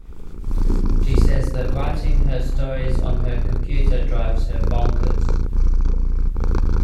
She says that writing her stories on her computer, drives her 'bonkers'.